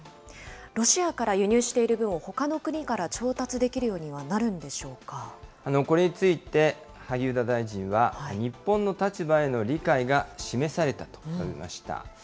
ロシアから輸入している分を、ほかの国から調達できるようにはこれについて、萩生田大臣は日本の立場への理解が示されたと述べました。